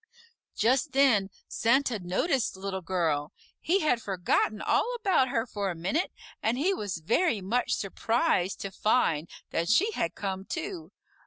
Just then Santa noticed Little Girl. He had forgotten all about her for a minute, and he was very much surprised to find that she had come, too.